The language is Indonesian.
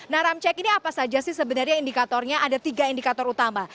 nah ramcek ini apa saja sih sebenarnya indikatornya ada tiga indikator utama